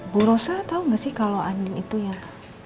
bu rossa tau gak sih kalo andi itu yang